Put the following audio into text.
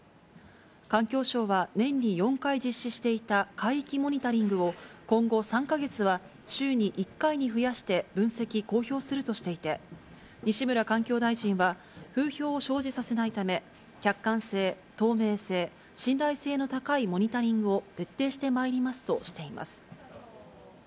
環境省は年に４回実施していた海域モニタリングを今後、３か月は週に１回に増やして、分析・公表するとしていて、西村環境大臣は、風評を生じさせないため、客観性、透明性、信頼性の高いモニタリングを徹底してまいりますとしています。